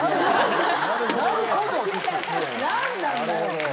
何なんだよ！